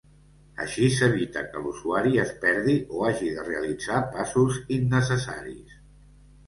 Així s'evita que l'usuari es perdi o hagi de realitzar passos innecessaris.